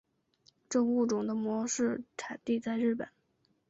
该物种的模式产地在日本。